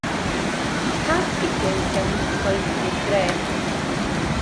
Pa sgidie wyt ti am wisgo i fynd i'r dre?